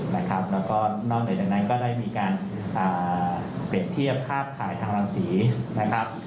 แล้วก็นอกเหนือจากนั้นก็ได้มีการเปรียบเทียบภาพถ่ายทางรังสีนะครับ